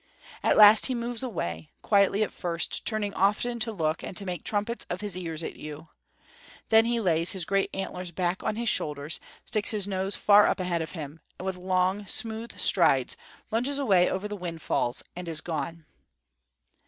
At last he moves away, quietly at first, turning often to look and to make trumpets of his ears at you. Then he lays his great antlers back on his shoulders, sticks his nose far up ahead of him, and with long, smooth strides lunges away over the windfalls and is gone.